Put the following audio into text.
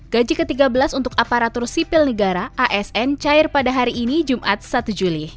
gaji ke tiga belas untuk aparatur sipil negara asn cair pada hari ini jumat satu juli